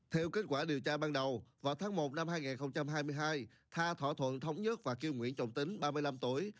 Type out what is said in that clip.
theo kết quả điều tra ban đầu vào tháng một năm hai nghìn hai mươi hai tha thỏa thuận thống nhất và kêu nguyễn trọng tính ba mươi năm tuổi